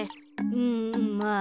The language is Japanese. うんまあ